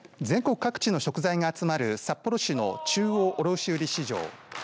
全国各地の食材が集まる札幌市の中央卸売市場。